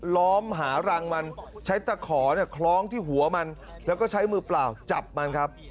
ล้อมหารังมันใช้ตะขอคล้องที่หัวมันแล้วก็ใช้มือเปล่าจับมันครับ